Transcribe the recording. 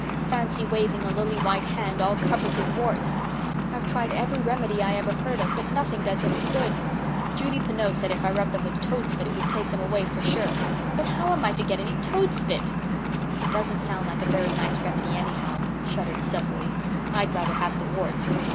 Fancy waving a lily white hand all covered with warts. I've tried every remedy I ever heard of, but nothing does any good. Judy Pineau said if I rubbed them with toad spit it would take them away for sure. But how am I to get any toad spit?" "It doesn't sound like a very nice remedy, anyhow," shuddered Cecily. "I'd rather have the warts.